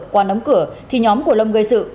quán đóng cửa thì nhóm của lâm gây sự